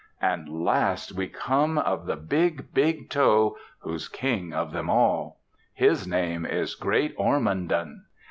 And last we come of the big, big toe, who's king of them all. His name is Great Ormondon."